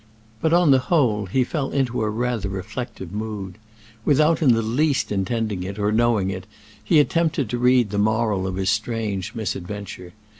But on the whole he fell into a rather reflective mood. Without in the least intending it or knowing it, he attempted to read the moral of his strange misadventure.